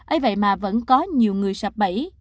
ây vậy mà vẫn có nhiều người sạp bẫy